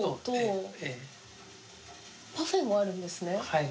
はい。